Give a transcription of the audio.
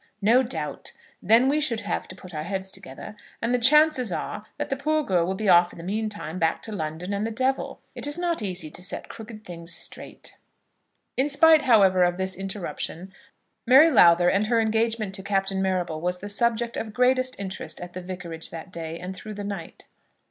"No doubt. Then we should have to put our heads together, and the chances are that the poor girl will be off in the meantime, back to London and the Devil. It is not easy to set crooked things straight." In spite, however, of this interruption, Mary Lowther and her engagement to Captain Marrable was the subject of greatest interest at the Vicarage that day and through the night.